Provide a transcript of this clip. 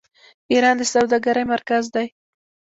ایران د سوداګرۍ مرکز دی.